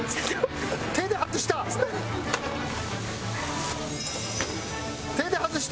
手で外した！